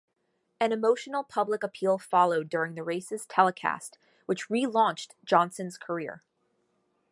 An emotional public appeal followed during the race's telecast which re-launched Johnson's career.